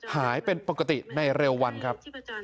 หายเป็นปกติในเร็ววันครับ